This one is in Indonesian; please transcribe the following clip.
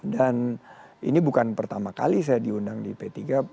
dan ini bukan pertama kali saya diundang di p tiga